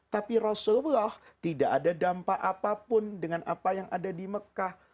tapi rasulullah tidak ada dampak apapun dengan apa yang ada di mekah